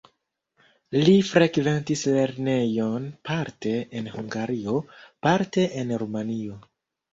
Li frekventis lernejon parte en Hungario, parte en Rumanio.